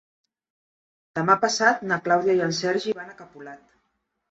Demà passat na Clàudia i en Sergi van a Capolat.